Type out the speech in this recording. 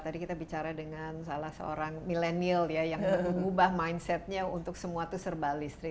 tadi kita bicara dengan salah seorang milenial ya yang mengubah mindsetnya untuk semua itu serba listrik